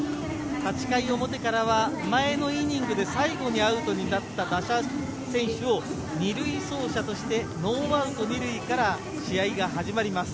８回表からは、前のイニングで最後にアウトになった打者選手を２塁走者としてノーアウト２塁から試合が始まります。